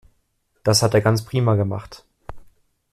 Das hat er ganz prima gemacht.